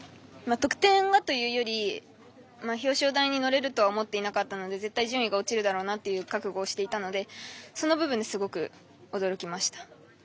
得点というより表彰台に乗れると思っていなかったので絶対順位が落ちるだろうなって覚悟していたのでその部分ですごく驚きました。